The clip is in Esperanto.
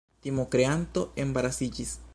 Timokreanto embarasiĝis.